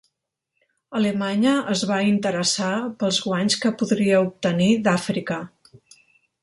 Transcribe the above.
Alemanya es va interessar pels guanys que podria obtenir d'Àfrica.